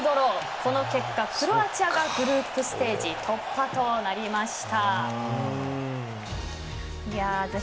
その結果、クロアチアがグループステージ突破です。